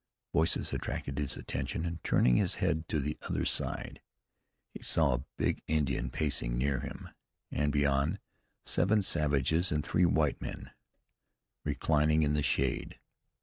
Voices attracted his attention, and, turning his head to the other side, he saw a big Indian pacing near him, and beyond, seven savages and three white men reclining in the shade.